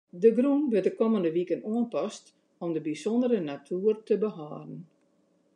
De grûn wurdt de kommende wiken oanpast om de bysûndere natoer te behâlden.